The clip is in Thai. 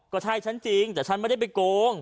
ก็ใช่ฉันจริงแต่ฉันไม่ได้ไปโกง